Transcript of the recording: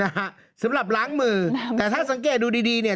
นะฮะสำหรับล้างมือแต่ถ้าสังเกตดูดีดีเนี่ย